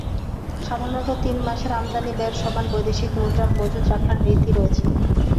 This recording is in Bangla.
সাধারণত তিন মাসের আমদানি ব্যয়ের সমান বৈদেশিক মুদ্রার মজুত রাখার রীতি রয়েছে।